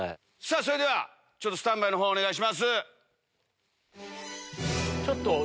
それではスタンバイの方お願いします。